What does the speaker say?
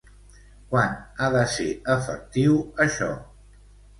Quan ha de ser efectiu això?